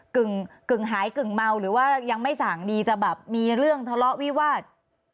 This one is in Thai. กึ่งหายกึ่งเมาหรือว่ายังไม่สั่งดีจะแบบมีเรื่องทะเลาะวิวาส